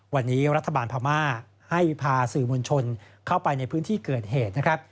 วันนี้รัฐบาลพม่าให้พาสื่อมวลชนเข้าไปในพื้นที่เกิดเหตุนะครับ